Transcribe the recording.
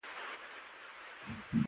خوړل د قربانۍ دسترخوان ښکلوي